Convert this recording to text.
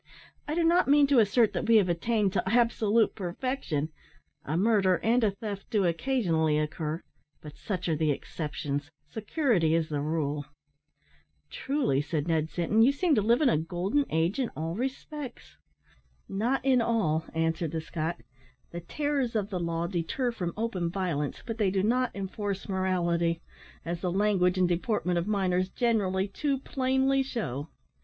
I do not mean to assert that we have attained to absolute perfection a murder and a theft do occasionally occur, but such are the exceptions, security is the rule." "Truly," said Ned Sinton, "you seem to live in a golden age in all respects." "Not in all," answered the Scot; "the terrors of the law deter from open violence, but they do not enforce morality, as the language and deportment of miners generally too plainly shew.